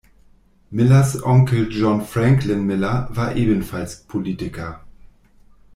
Millers Onkel John Franklin Miller war ebenfalls Politiker.